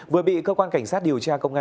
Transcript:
vừa bị cơ quan cảnh sát điều tra công an